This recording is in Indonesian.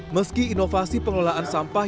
meski inovasi pengelolaan sampah